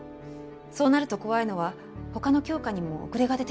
そうなると怖いのは他の教科にも遅れが出てしまう事です。